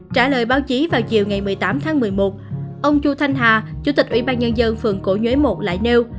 trả lời báo chí vào chiều ngày một mươi tám tháng một mươi một ông chu thanh hà chủ tịch ủy ban nhân dân phường cổ nhuế một lại nêu